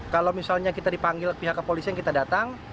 kalau misalnya kita dipanggil pihak kepolisian kita datang